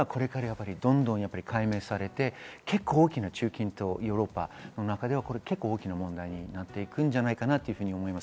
これからどんどん解明されて、結構大きな中近東、ヨーロッパの中で問題になっていくんじゃないかなと思います。